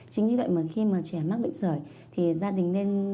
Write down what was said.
chính vì vậy mà khi mà trẻ mắc bệnh sởi thì gia đình nên